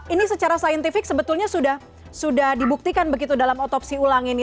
ini secara saintifik sebetulnya sudah dibuktikan begitu dalam otopsi ulang ini